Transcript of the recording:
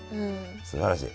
すばらしい。